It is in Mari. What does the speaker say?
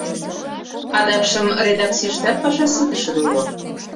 Адакшым редакцийыштат паша ситышын уло.